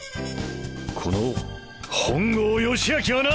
この本郷義昭はな！